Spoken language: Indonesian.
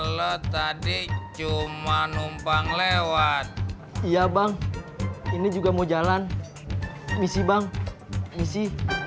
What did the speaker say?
kalau tadi cuma numpang lewat iya bang ini juga mau jalan misi bang misi